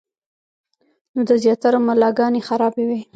نو د زياترو ملاګانې خرابې وي -